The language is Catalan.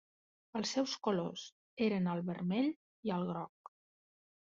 Els seus colors eren el vermell i el groc.